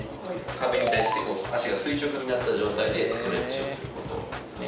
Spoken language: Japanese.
壁に対して足が垂直になった状態でストレッチをする事ですね。